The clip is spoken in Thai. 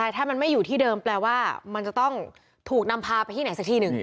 ถ้ามันไม่อยู่ที่เดิมแปลว่ามันจะต้องถูกนำพาไปที่ไหนสักที่หนึ่ง